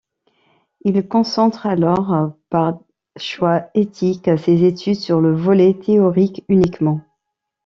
Il concentre alors, par choix éthique, ses études sur le volet théorique uniquement.